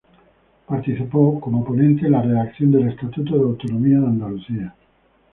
Participó como ponente en la redacción del Estatuto de Autonomía de Andalucía.